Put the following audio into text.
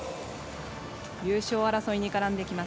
優勝争いに絡んできます。